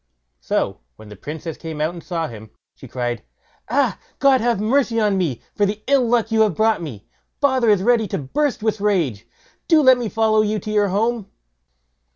So when the Princess came out and saw him, she cried, "Ah, God have mercy on me, for the ill luck you have brought on me; father is ready to burst with rage; do let me follow you to your home."